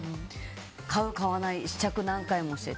買う、買わない試着何回もして。